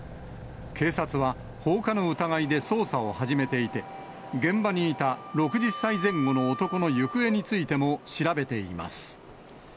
警察は、放火の疑いで捜査を始めていて、現場にいた６０歳前後の男の行方についても調べています。